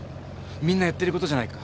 みんなやってる事じゃないか。